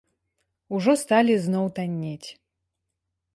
Ужо сталі зноў таннець.